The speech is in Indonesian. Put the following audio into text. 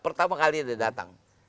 pertama kali dia datang